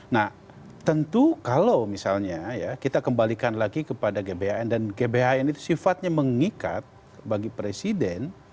nah tentu kalau misalnya ya kita kembalikan lagi kepada gbhn dan gbhn itu sifatnya mengikat bagi presiden